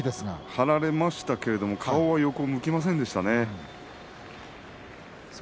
張られましたけれども顔は横を向きませんでしたね。